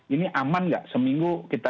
ini aman nggak seminggu kita